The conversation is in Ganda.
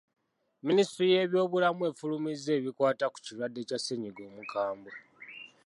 Minisitule y'ebyobulamu efulumizza ebikwata ku kirwadde kya ssennyiga omukambwe.